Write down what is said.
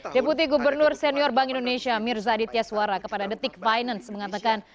deputi gubernur senior bank indonesia mirzadit yaswara kepada detik finance mengatakan